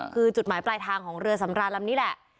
คือจุดหมายปลายทางของเรือสำรานลำนี้แหละ